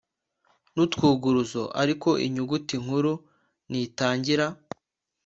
n utwuguruzo Ariko inyuguti nkuru ntitangira